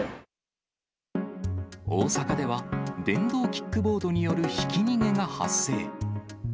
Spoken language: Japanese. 大阪では、電動キックボードによるひき逃げが発生。